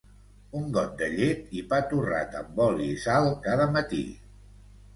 Un got de llet i pa torrat amb oli i sal cada matí.